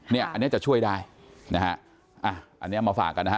เนี่ยอันนี้จะช่วยได้นะฮะอ่ะอันนี้มาฝากกันนะฮะ